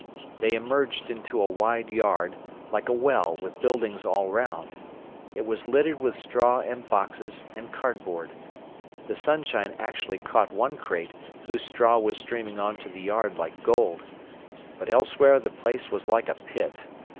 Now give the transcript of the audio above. They emerged into a wide yard, like a well, with buildings all round. It was littered with straw and boxes, and cardboard. The sunshine actually caught one crate whose straw was streaming on to the yard like gold. But elsewhere the place was like a pit.